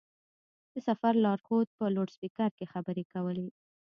د سفر لارښود په لوډسپېکر کې خبرې کولې.